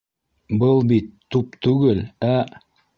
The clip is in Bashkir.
Был бит туп түгел, ә...